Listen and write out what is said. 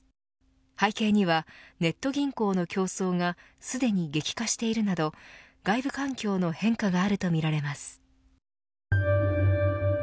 背景にはネット銀行の競争がすでに激化しているなど外部環境の変化があるとみられます。